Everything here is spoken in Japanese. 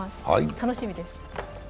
楽しみです。